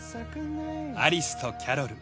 アリスとキャロル。